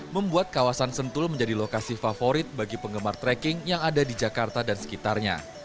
membuat kawasan sentul menjadi lokasi favorit bagi penggemar trekking yang ada di jakarta dan sekitarnya